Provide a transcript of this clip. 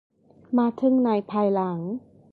มาถึงในภายหลัง